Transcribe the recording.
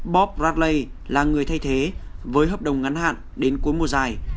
bob bradley là người thay thế với hợp đồng ngắn hạn đến cuối mùa giải